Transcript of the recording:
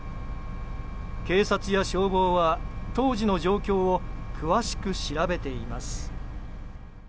警察や消防は当時の状況を詳しく調べています。